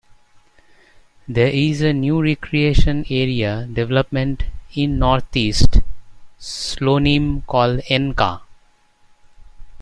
There is a new recreation area development in north-east Slonim called Enka.